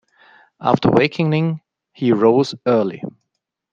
After wakening, he rose early.